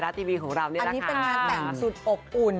อันนี้เป็นงานแต่งสุดอุ่น